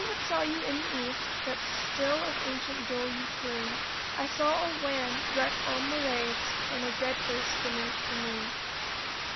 what saw you in the East That still of ancient dole you croon? I saw a wan wreck on the waves And a dead face beneath the moon.